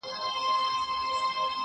• له ذاته زرغونېږي لطافت د باران یو دی.